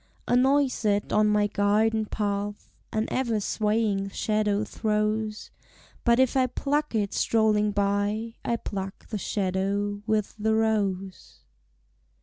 A noisette on my garden path An ever swaying shadow throws; But if I pluck it strolling by, I pluck the shadow with the rose.